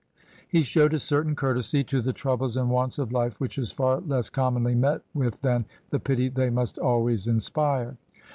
He showed a certain courtesy to the troubles and wants of life which is far less com monly met with than the pity they must always inspire.